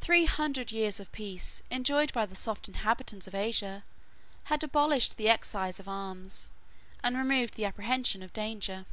Three hundred years of peace, enjoyed by the soft inhabitants of Asia, had abolished the exercise of arms, and removed the apprehension of danger.